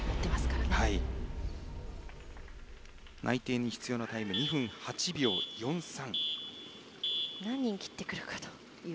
内定に必要なタイム２分８秒４３。